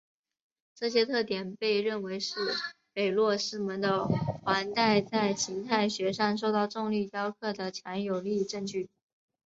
这些特点被认为是北落师门的环带在形态学上受到重力雕刻的强有力证据。